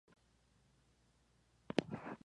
A continuación la lista más completa hasta la fecha.